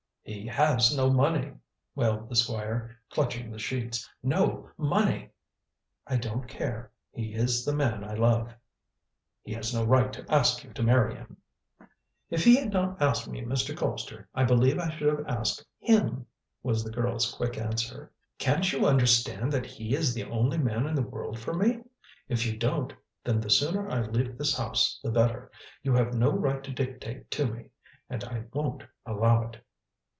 "He has no money," wailed the Squire, clutching the sheets; "no money." "I don't care. He is the man I love." "He has no right to ask you to marry him." "If he had not asked me, Mr. Colpster, I believe I should have asked him," was the girl's quick answer. "Can't you understand that he is the only man in the world for me? If you don't, then the sooner I leave this house the better. You have no right to dictate to me, and I won't allow it."